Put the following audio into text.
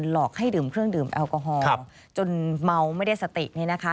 หลอกให้ดื่มเครื่องดื่มแอลกอฮอล์จนเมาไม่ได้สตินี่นะคะ